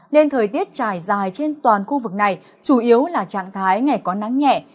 nên thời tiết trải dài trên toàn khu vực này chủ yếu là trạng thái ngày có nắng nhẹ